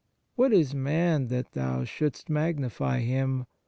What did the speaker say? " What is man that Thou shouldst magnify him